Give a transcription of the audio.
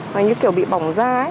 hình như kiểu bị bỏng